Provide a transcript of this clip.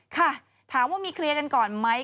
ค่ะถามว่ามีเคลียร์กันก่อนไหม